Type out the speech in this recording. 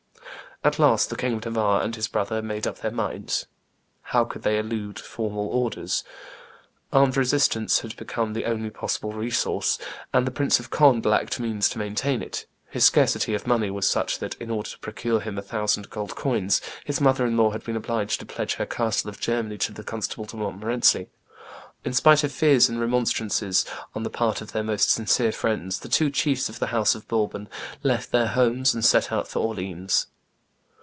At last the King of Navarre and his brother made up their minds. How could they elude formal orders? Armed resistance had become the only possible resource, and the Prince of Conde lacked means to maintain it; his scarcity of money was such that, in order to procure him a thousand gold crowns, his mother in law had been obliged to pledge her castle of Germany to the Constable de Montmorency. In spite of fears and remonstrances on the part of their most sincere friends, the two chiefs of the house of Bourbon left their homes and set out for Orleans.